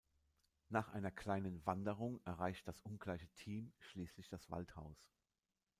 Nach einer kleinen Wanderung erreicht das ungleiche Team schließlich das Waldhaus.